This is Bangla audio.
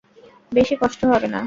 বেশি কষ্ট হবে না।